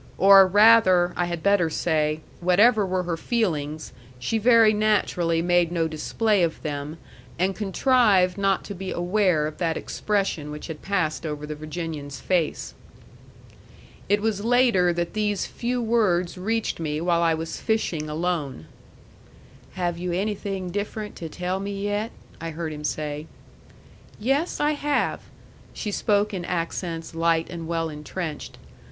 Or rather, I had better say, whatever were her feelings, she very naturally made no display of them, and contrived not to be aware of that expression which had passed over the Virginian's face. It was later that these few words reached me while I was fishing alone: "Have you anything different to tell me yet?" I heard him say. "Yes; I have." She spoke in accents light and well intrenched.